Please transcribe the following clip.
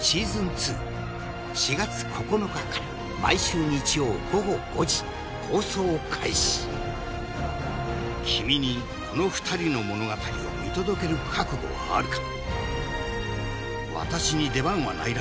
２４月９日から毎週日曜午後５時放送開始君にこの二人の物語を見届ける覚悟はあるか？